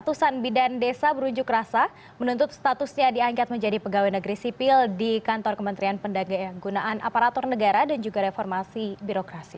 ratusan bidan desa berunjuk rasa menuntut statusnya diangkat menjadi pegawai negeri sipil di kantor kementerian pendagaan aparatur negara dan juga reformasi birokrasi